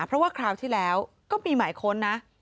เพราะว่าคราวที่แล้วก็มีหมายค้นนะ